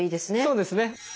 そうですね。